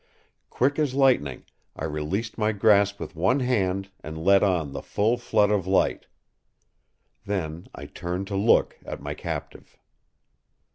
Quick as lightning I released my grasp with one hand and let on the full flood of light. Then I turned to look at my captive.